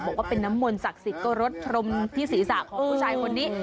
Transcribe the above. บอกว่าเป็นน้ำมนต์ศักดิ์สิทธิ์ก็รดพรมที่ศีรษะของผู้ชายคนนี้